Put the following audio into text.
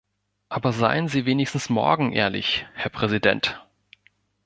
Aber seien Sie wenigstens morgen ehrlich, Herr Präsident!